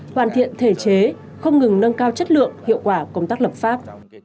hoàn thiện thể chế không ngừng nâng cao chất lượng hiệu quả công tác lập pháp